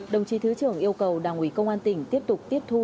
đồng chí thứ trưởng yêu cầu đảng ủy công an tỉnh tiếp tục tiếp thu